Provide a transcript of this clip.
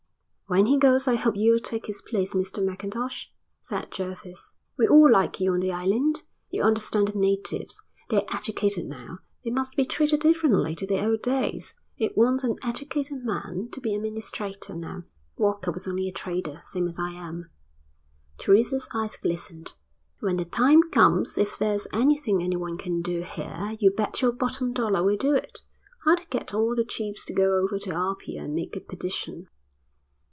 "When he goes I hope you'll take his place, Mr Mackintosh," said Jervis. "We all like you on the island. You understand the natives. They're educated now, they must be treated differently to the old days. It wants an educated man to be administrator now. Walker was only a trader same as I am." Teresa's eyes glistened. "When the time comes if there's anything anyone can do here, you bet your bottom dollar we'll do it. I'd get all the chiefs to go over to Apia and make a petition."